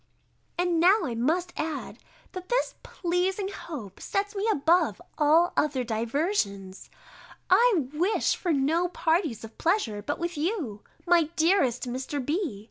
And now I must add, that this pleasing hope sets me above all other diversions: I wish for no parties of pleasure but with you, my dearest Mr. B.